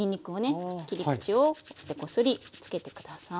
切り口をこすりつけて下さい。